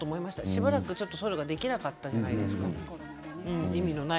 しばらくそれができなかったじゃないですか。